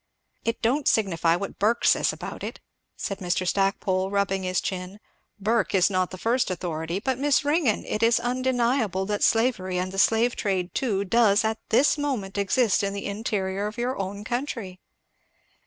"It don't signify what Burke says about it," said Mr. Stackpole rubbing his chin, "Burke is not the first authority but Miss Ringgan, it is undeniable that slavery and the slave trade, too, does at this moment exist in the interior of your own country."